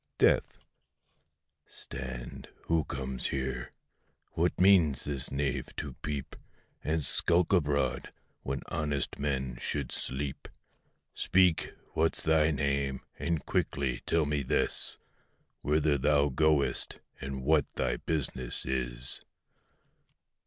DEATH. Stand, who comes here? what means this knave to peep And skulk abroad, when honest men should sleep? Speak, what's thy name? and quickly tell me this, Whither thou goest, and what thy business is?